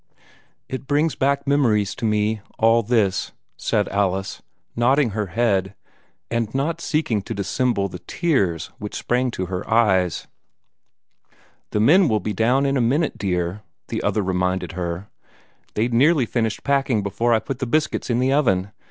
"It brings back memories to me all this," said Alice, nodding her head, and not seeking to dissemble the tears which sprang to her eyes. "The men will be down in a minute, dear," the other reminded her. "They'd nearly finished packing before I put the biscuits in the oven.